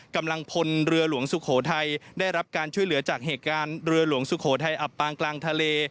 กำลังพลเรือหลวงสุโขทัยได้รับการช่วยเหลือจากเหตุการณ์เรือหลวงสุโขทัยอับปางกลางทะเล